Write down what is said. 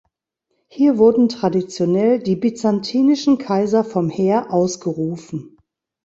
Hier wurden traditionell die byzantinischen Kaiser vom Heer ausgerufen.